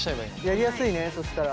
やりやすいねそしたら。